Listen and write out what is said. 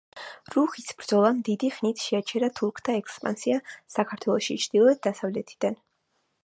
რუხის ბრძოლამ დიდი ხნით შეაჩერა თურქთა ექსპანსია საქართველოში ჩრდილო-დასავლეთიდან.